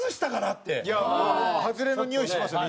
ハズレのにおいしますよね